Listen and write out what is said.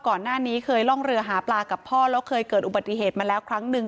ก่อนหน้านี้เคยล่องเรือหาปลากับพ่อแล้วเคยเกิดอุบัติเหตุมาแล้วครั้งหนึ่ง